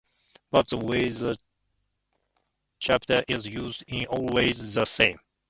But the way the cipher is used is always the same.